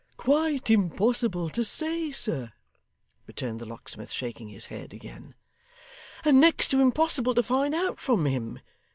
'Quite impossible to say, sir,' returned the locksmith, shaking his head again: 'and next to impossible to find out from him.